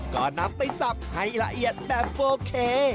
ก็นำไปสับให้ละเอียดแบบโอเค